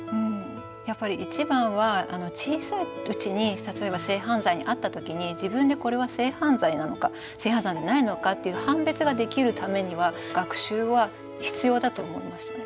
やっぱり一番は小さいうちに例えば性犯罪に遭った時に自分でこれは性犯罪なのか性犯罪じゃないのかっていう判別ができるためには学習は必要だと思いましたね。